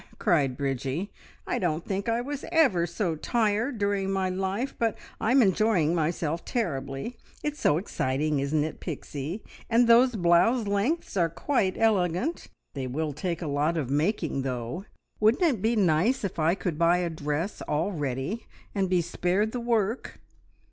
cried Bridgie. "I don't think I was ever so tired during my life, but I'm enjoying myself terribly. It's so exciting, isn't it, Pixie? and those blouse lengths are quite elegant. They will take a lot of making, though. Wouldn't it be nice if I could buy a dress all ready, and be spared the work?"